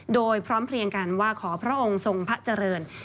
โดยพร้อมเพลียงกันว่าขอพระองค์ทรงพระเจริญ